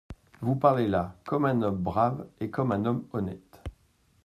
Vous parlez là comme un homme brave et comme un homme honnête.